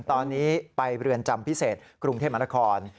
ตอนนี้ไปเรือนจำพิเศษกรุงเทพมนาคม